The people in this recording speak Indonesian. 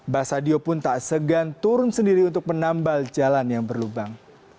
basadio pun tak segan turun sendiri untuk menambal jalan yang berlubang